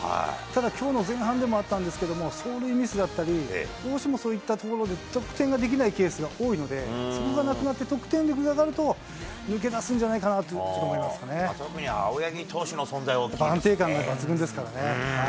ただきょうの前半でもあったんですけども、走塁ミスだったり、どうしてもそういったところで、得点ができないケースが多いので、それがなくなって、得点力が上がると、抜け出すんじゃないかなと、青柳投手の存在は大きかった安定感が抜群ですからね。